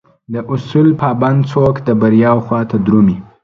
داصول پابند څوک دبریاوخواته درومي